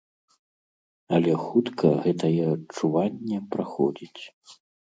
Але хутка гэтае адчуванне праходзіць.